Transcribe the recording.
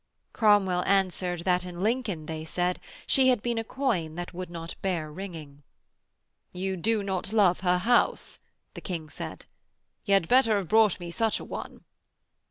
Cromwell answered that in Lincoln, they said, she had been a coin that would not bear ringing. 'You do not love her house,' the King said. 'Y' had better have brought me such a one.'